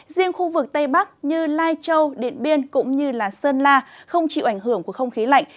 riêng khu vực tây bắc như lai châu điện biên cũng như sơn la không chịu ảnh hưởng của không khí lạnh